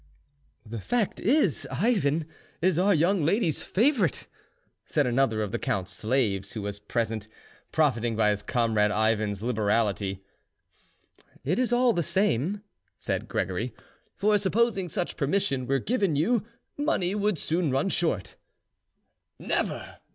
"The fact is, Ivan is our young lady's favourite," said another of the count's slaves who was present, profiting by his comrade Ivan's liberality. "It is all the same," said Gregory; "for supposing such permission were given you, money would soon run short." "Never!"